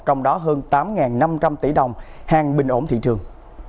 trong đó hơn tám năm trăm linh tỷ đồng hàng bình ổn thị trường